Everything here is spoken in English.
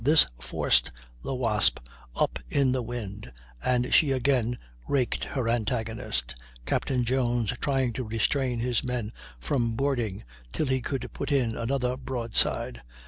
This forced the Wasp up in the wind, and she again raked her antagonist, Captain Jones trying to restrain his men from boarding till he could put in another broadside.